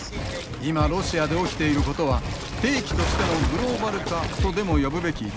今ロシアで起きていることは兵器としてのグローバル化とでも呼ぶべき事態です。